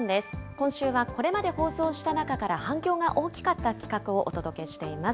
今週はこれまで放送した中から反響が大きかった企画をお届けしています。